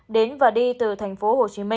đến và đi từ tp hcm